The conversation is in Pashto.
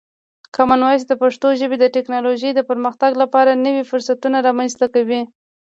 کامن وایس د پښتو ژبې د ټکنالوژۍ د پرمختګ لپاره نوی فرصتونه رامنځته کوي.